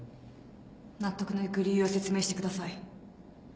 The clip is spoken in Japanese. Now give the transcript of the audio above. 納得のいく理由を説明してください。